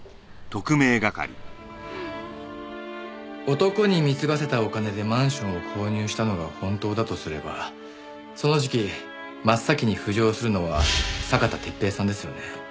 男に貢がせたお金でマンションを購入したのが本当だとすればその時期真っ先に浮上するのは酒田鉄平さんですよね。